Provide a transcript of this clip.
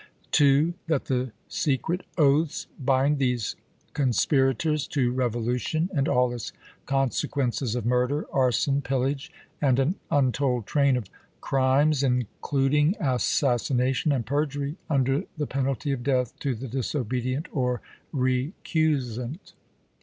" 2. That the secret oaths bind these conspirators to revolution and all its consequences of murder, arson, pillage, and an untold train of crimes, in cluding assassination and perjury, under the penalty of death to the disobedient or recusant.